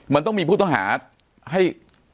มันต้องมีผู้ต้องหาให้